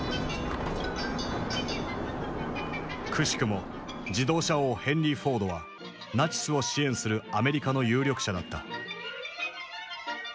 くしくも自動車王ヘンリー・フォードはナチスを支援するアメリカの有力者だった。